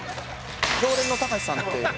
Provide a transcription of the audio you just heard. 「常連のたかしさん」って。